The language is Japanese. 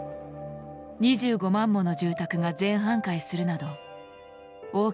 ２５万もの住宅が全半壊するなど大きな被害が出た。